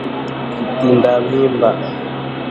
Kitinda mimba